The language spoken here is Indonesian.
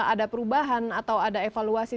ada perubahan atau ada evaluasi